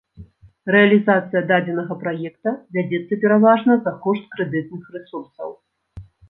Рэалізацыя дадзенага праекта вядзецца пераважна за кошт крэдытных рэсурсаў.